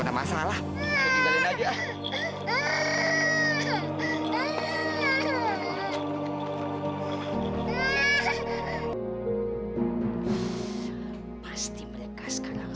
ah meradio melomelin orang